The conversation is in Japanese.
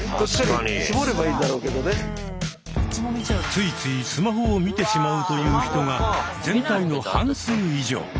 ついついスマホを見てしまうという人が全体の半数以上。